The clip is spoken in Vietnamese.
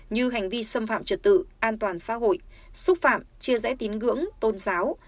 như hành vi xâm phạm trật tự an toàn xã hội xúc phạm chia rẽ tín ngưỡng tôn giáo